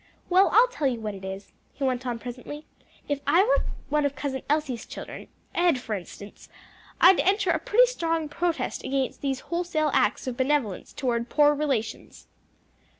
Well, I'll tell you what it is," he went on presently, "if I were one of Cousin Elsie's children Ed, for instance I'd enter a pretty strong protest against these wholesale acts of benevolence toward poor relations."